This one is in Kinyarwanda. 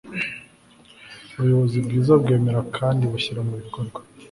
ubuyobozi bwiza bwemera kandi bushyira mu bikorwa